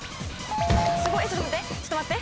ちょっと待ってちょっと待って。